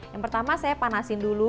yang pertama saya panasin dulu